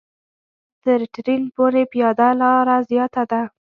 تر ټرېن پورې پیاده لاره زیاته ده.